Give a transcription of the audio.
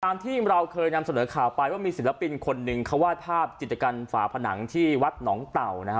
ตามที่เราเคยนำเสนอข่าวไปว่ามีศิลปินคนหนึ่งเขาวาดภาพจิตกรรมฝาผนังที่วัดหนองเต่านะฮะ